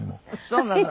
そうなの？